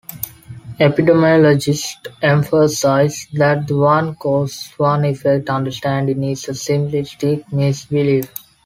Epidemiologists emphasize that the "one cause - one effect" understanding is a simplistic mis-belief.